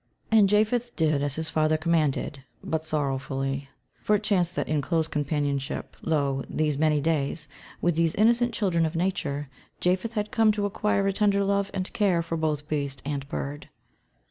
And Japheth did as his father commanded, but sorrowfully, for it chanced that in close companionship, lo, these many days, with these innocent children of nature, Japheth had come to acquire a tender love and care for both beast and bird.